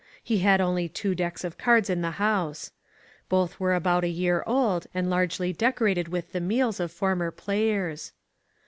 He had only two decks of cards in the house. Both were about a year old, and largely decorated with the meals of former players.